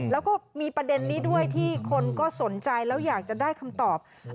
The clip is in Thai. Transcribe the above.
แล้วก็มีประเด็นนี้ด้วยที่คนก็สนใจแล้วอยากจะได้คำตอบ